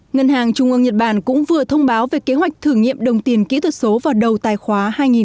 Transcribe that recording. ngân hàng trung ương nhật bản cũng vừa thông báo về kế hoạch thử nghiệm đồng tiền kỹ thuật số vào đầu tài khoá hai nghìn hai mươi